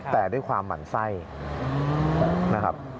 แต่ด้วยความหมั่นไส้นะครับ